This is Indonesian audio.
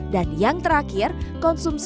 dan yang terakhir konsumsi